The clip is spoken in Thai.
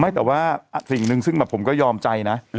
ไม่แต่ว่าสิ่งหนึ่งซึ่งแบบผมก็ยอมใจนะ